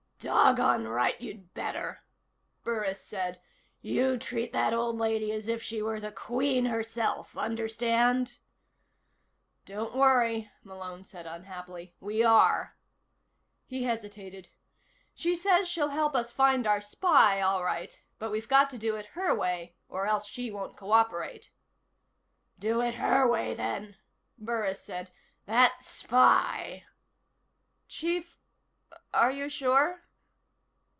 "Doggone right you'd better," Burris said. "You treat that old lady as if she were the Queen herself, understand?" "Don't worry," Malone said unhappily. "We are." He hesitated. "She says she'll help us find our spy, all right, but we've got to do it her way or else she won't cooperate." "Do it her way, then," Burris said. "That spy " "Chief, are you sure?"